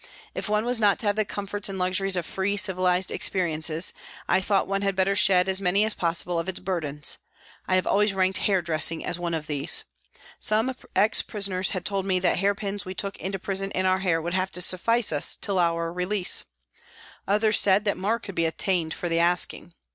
If one was not to have the comforts and luxuries of free, civilised existence, I thought one had better shed as many as possible of its burdens ; I have always ranked hair dressing as one of these. Some ex prisoners had told me that the hair pins we took into prison in our hair would have to suffice us till 88 PRISONS AND PRISONERS our release. Others said that more could be obtained for the asking.